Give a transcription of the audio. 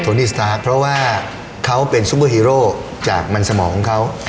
สตาร์ทเพราะว่าเขาเป็นซุปเปอร์ฮีโร่จากมันสมองเขา